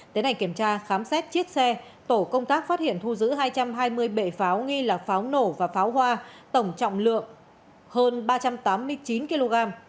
tới này kiểm tra khám xét chiếc xe tổ công tác phát hiện thu giữ hai trăm hai mươi bệ pháo nghi là pháo nổ và pháo hoa tổng trọng lượng hơn ba trăm tám mươi chín kg